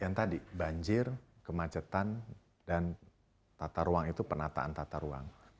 yang tadi banjir kemacetan dan tata ruang itu penataan tata ruang